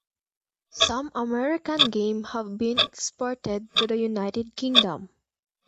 Some American Game have been exported to the United Kingdom.